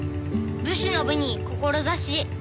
武士の「武」に志。